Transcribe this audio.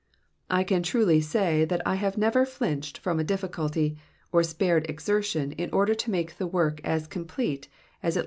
I can truly say that I have never flinched from a difficulty, or spared exertion in order to make the work as complete as it lay JAIJ